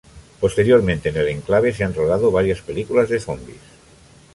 Posteriormente, en el enclave se han rodado varias películas de zombis.